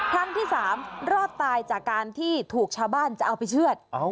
ครั้งที่๓รอดตายจากการที่ถูกชาวบ้านจะเอาไปเชื่อด